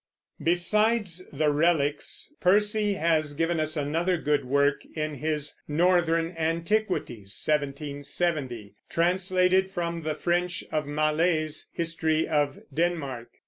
Besides the Reliques, Percy has given us another good work in his Northern Antiquities (1770) translated from the French of Mallet's History of Denmark.